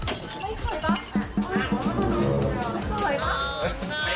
ก็ได้เป็นในตัวตาคีย์